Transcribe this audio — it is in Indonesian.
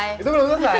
itu belum selesai